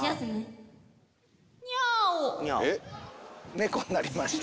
猫になりました。